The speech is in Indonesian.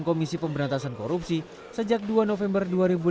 komisi pemberantasan korupsi sejak dua november dua ribu delapan belas